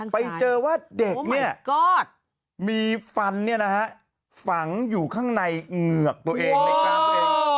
ไปเจอว่าเด็กมีฟันฝังอยู่ข้างในเหงือกตัวเองในกามตัวเอง